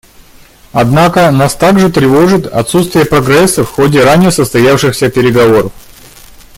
Однако нас также тревожит отсутствие прогресса в ходе ранее состоявшихся переговоров.